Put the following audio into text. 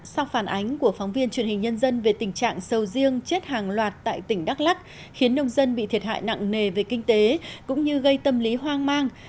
sau phản ánh của phóng viên truyền hình nhân dân về tình trạng sầu riêng chết hàng loạt tại tỉnh đắk lắc khiến nông dân bị thiệt hại nặng nề về kinh tế cũng như gây tâm lý hoang mang